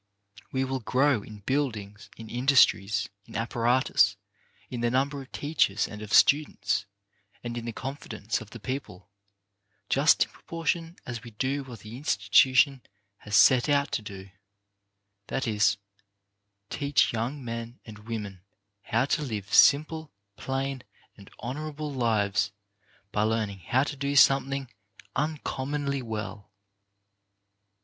We will grow in buildings, in industries, in apparatus, in the number of teachers and of students, and in the confidence of the people, just in proportion as we do what the institution has set out to do; that is, teach young men and women how to live simple, plain and honourable lives by learning how to do something uncommonly well.